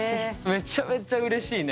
めちゃめちゃうれしいね。